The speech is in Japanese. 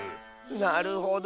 なるほど。